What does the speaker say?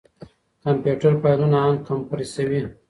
کمپيوټر فايلونه اَنکمپريسوي.